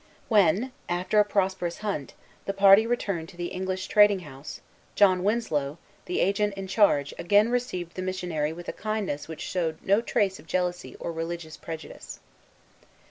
When, after a prosperous hunt, the party returned to the English trading house, John Winslow, the agent in charge, again received the missionary with a kindness which showed no trace of jealousy or religious prejudice.